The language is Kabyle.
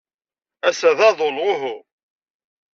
Ass-a d aḍu, neɣ uhu?